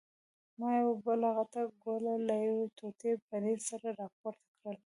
ما یوه بله غټه ګوله له یوې ټوټې پنیر سره راپورته کړل.